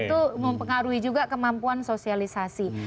itu mempengaruhi juga kemampuan sosialisasi